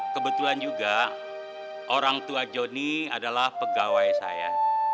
kebetulan juga orang tua joni adalah pegawai saya